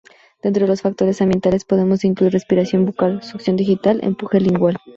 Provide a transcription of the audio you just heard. Dentro de los factores ambientales podemos incluir: respiración bucal, succión digital, empuje lingual.